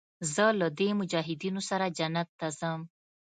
زه له دې مجاهدينو سره جنت ته ځم.